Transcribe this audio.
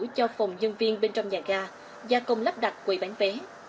cho phòng nhân viên bên trong nhà ga gia công lắp đặt quầy bán vé